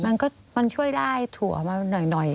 มันก็มันช่วยได้ถั่วมาหน่อย